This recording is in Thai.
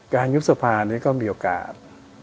ยุบสภานี้ก็มีโอกาส